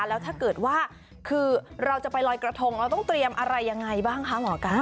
แล้วถ้าเกิดว่าคือเราจะไปลอยกระทงเราต้องเตรียมอะไรยังไงบ้างคะหมอก๊า